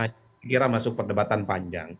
saya kira masuk perdebatan panjang